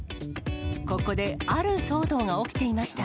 ここである騒動が起きていました。